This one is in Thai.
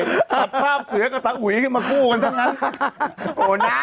ตัดภาพเสือกับตัดอุ๋ยมาคู่กันซะงั้น